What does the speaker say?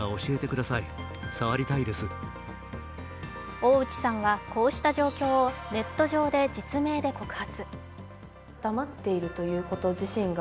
大内さんはこうした状況をネット上で実名で告発。